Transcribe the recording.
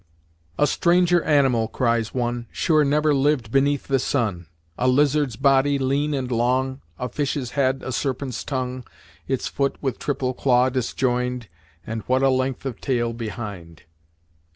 "'A stranger animal,' cries one, 'Sure never liv'd beneath the sun; A lizard's body lean and long, A fish's head, a serpent's tongue, Its foot, with triple claw disjoined; And what a length of tail behind!'"